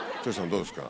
どうですか？